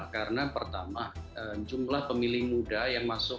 karena pertama jumlah pemilih muda yang masuk